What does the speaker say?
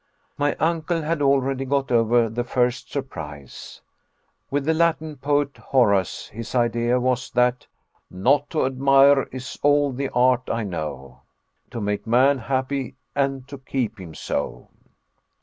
My uncle had already got over the first surprise. With the Latin poet Horace his idea was that Not to admire is all the art I know, To make man happy and to keep him so.